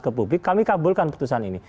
ke publik kami kabulkan putusan ini